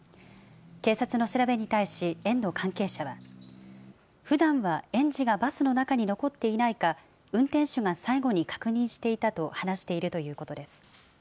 警察の調べに対し、園の関係者は、ふだんは園児がバスの中に残っていないか、運転手が最後に確認していたと話しているということです。